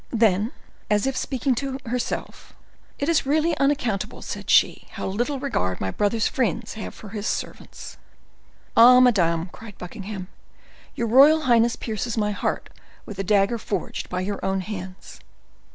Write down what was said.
Then, as if speaking to herself, "It is really unaccountable," said she, "how little regard my brother's friends have for his servants." "Ah, madam," cried Buckingham, "your royal highness pierces my heart with a dagger forged by your own hands."